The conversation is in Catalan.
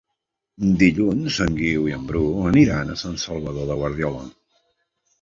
Dilluns en Guiu i en Bru aniran a Sant Salvador de Guardiola.